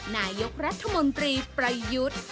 นายกรัฐมนตรีประยุทธ์